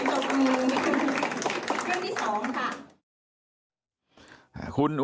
ขอบคุณเลยนะฮะคุณแพทองธานิปรบมือขอบคุณเลยนะฮะ